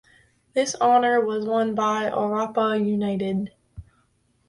This honour was won by Orapa United.